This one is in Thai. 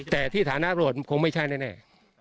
แต่ที่ฐาน้าบริการเองคงไม่ใช่แน่